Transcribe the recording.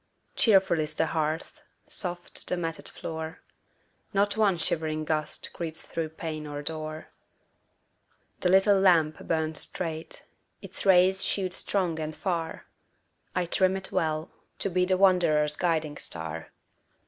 Cheerful is the hearth, soft the matted floor; Not one shivering gust creeps through pane or door; The little lamp burns straight, its rays shoot strong and far: I trim it well, to be the wanderer's guiding star.